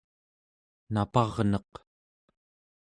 naparneq